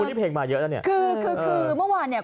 คุณที่เพลงมาเยอะนะเนี่ย